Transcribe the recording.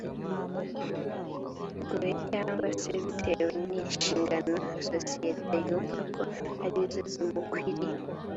gore cyangwa se bitewe n inshingano sosiyete yumvako ari zo zimukwiriye